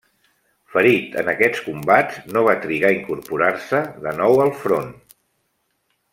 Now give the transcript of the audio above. Ferit en aquests combats, no va trigar a incorporar-se de nou al front.